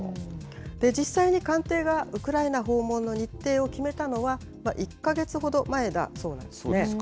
実際に官邸がウクライナ訪問の日程を決めたのは１か月ほど前だそうですね。